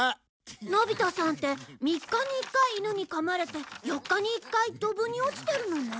のび太さんって三日に一回犬にかまれて四日に一回ドブに落ちてるのね。